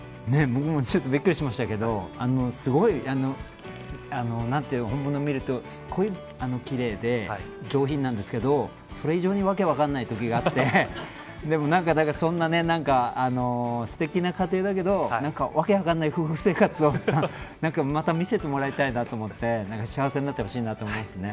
僕もちょっとびっくりしましたけど本物を見ると、すごい奇麗で上品なんですけどそれ以上にわけ分かんないときがあってそんな、すてきな家庭だけど何かわけ分かんない夫婦生活をまた見せてもらいたいなと思って幸せになってほしいと思いますね。